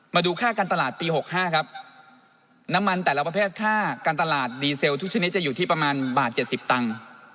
มาดูค่าการตลาดปี๖๕ครับน้ำมันแต่ละประเภทค่าการตลาดดีเซลทุกชนิดจะอยู่ที่ประมาณบาท๗๐ตังค์